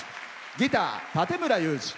ギター、館村雄二。